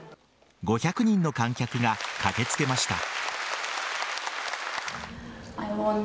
５００人の観客が駆けつけました。